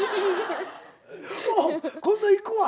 おう今度行くわ。